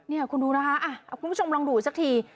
นี่คุณดูนะคะคุณผู้ชมลองดูสักที